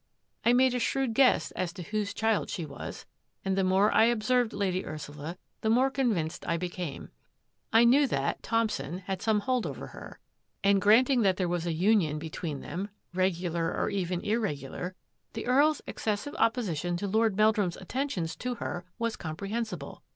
I made a shrewd guess as to whose child she was, and the more I observed Lady Ursula, the more convinced I be came. I knew that — Thompson — had some hold over her, and granting that there was a union be tween them, regular or even irregular, the Earl's excessive opposition to Lord Meldrum's attentions to her was comprehensible.